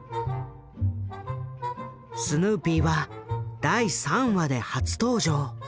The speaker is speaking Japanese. スヌーピーは第３話で初登場。